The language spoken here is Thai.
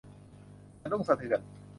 สะดุ้งสะเทือน